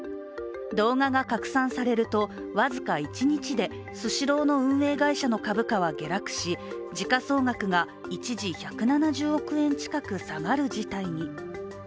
動画が拡散されると、僅か一日でスシローの運営会社の株価は下落し時価総額が一時１７０億円近く下がる事態に。